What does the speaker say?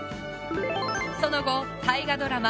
その後大河ドラマ